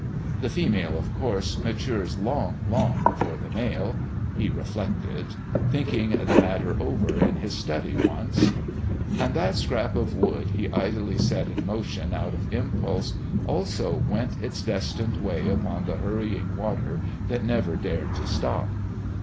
The female, of course, matures long, long before the male, he reflected, thinking the matter over in his study once.... And that scrap of wood he idly set in motion out of impulse also went its destined way upon the hurrying water that never dared to stop.